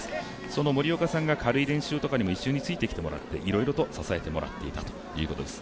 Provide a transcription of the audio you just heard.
その森岡さんが軽い練習とかにもついてきてもらっていろいろと支えてもらっていたということです。